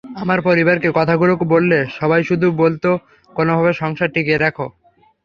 আমার পরিবারকে কথাগুলো বললে সবাই শুধু বলত, কোনোভাবে সংসার টিকিয়ে রাখো।